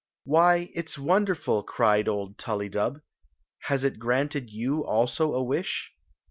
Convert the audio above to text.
"Why, it s wonderful!" cried old TuUydub. "Ha« It granted you, also, a wish